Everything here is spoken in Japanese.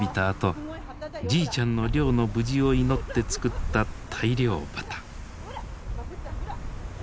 あとじいちゃんの漁の無事を祈って作った大漁旗。